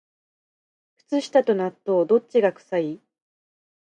靴下と納豆、どっちが臭い？